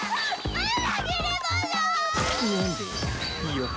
あっ！